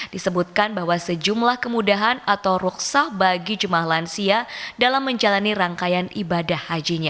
disebutkan bahwa sejumlah kemudahan atau ruksa bagi jemaah lansia dalam menjalani rangkaian ibadah hajinya